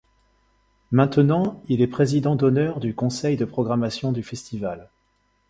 Maintenant, il est président d'honneur du conseil de programmation du festival.